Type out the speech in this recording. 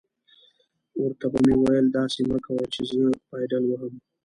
ور ته به مې ویل: داسې مه کوه چې زه پایډل وهم.